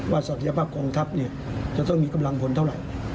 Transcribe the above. ศักยภาพกองทัพจะต้องมีกำลังพลเท่าไหร่